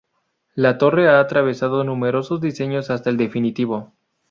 La torre ha atravesado numerosos diseños hasta el definitivo.